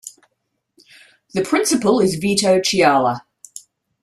The principal is Vito Chiala.